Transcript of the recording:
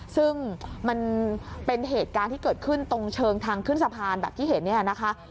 ซึ่งมันเป็นเหตุการณ์ที่เกิดขึ้นตรงเชิงทางขึ้นสะพานแบบที่เห็นเนี่ยนะคะ